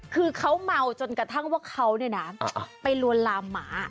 คือเขาเมาจนกระทั่งว่าเขาไปลวนลามหมา